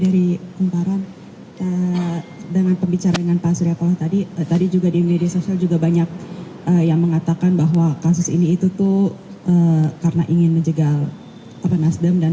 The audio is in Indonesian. dari kumparan dengan pembicaraan pak surya paloh tadi juga di media sosial juga banyak yang mengatakan bahwa kasus ini itu tuh karena ingin menjegal nasdem